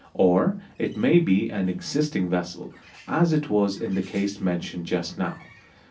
Or it may be an existing vessel, as it was in the case mentioned just now.